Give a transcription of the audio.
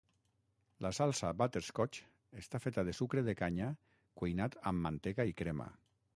La salsa Butterscotch està feta de sucre de canya cuinat amb mantega i crema.